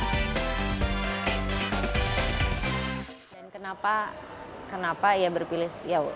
untuk merengku pelanggan dari tempat jauh deddy pun membuat website